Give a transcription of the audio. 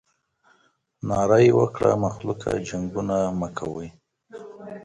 ناره یې وکړه مخلوقه جنګونه مه کوئ.